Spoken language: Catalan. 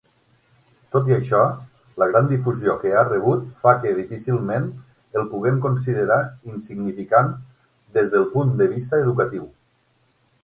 Tot i això, la gran difusió que ha rebut fa que difícilment el puguem considerar insignificant des del punt de vista educatiu.